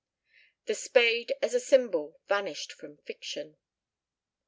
The spade as a symbol vanished from fiction.